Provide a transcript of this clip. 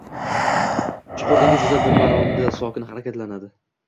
Chuqur dengiz esa bir maromda, sokin harakatlanadi”.